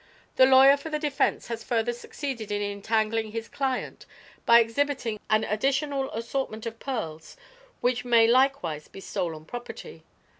"The lawyer for the defense has further succeeded in entangling his client by exhibiting an additional assortment of pearls, which may likewise be stolen property.